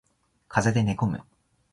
風邪で寝込む